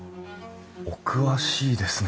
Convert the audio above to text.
お詳しいですね。